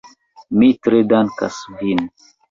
Mi tre dankas vin.